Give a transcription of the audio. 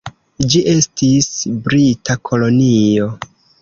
Ĝi estis brita kolonio.